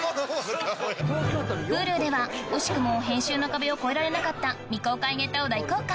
Ｈｕｌｕでは惜しくも編集の壁を越えられなかった未公開ネタを大公開！